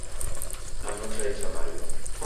Nanywa chai cha mariw'a.